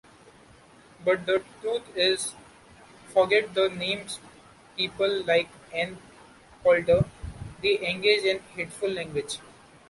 But the truth is-forget the names-people like Ann Coulter, they engage in hateful language.